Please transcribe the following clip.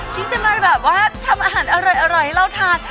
ที่จะมาแบบว่าทำอาหารอร่อยให้เราทาน